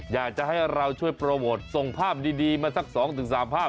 อยากจะให้เราช่วยโปรโมทส่งภาพดีมาสัก๒๓ภาพ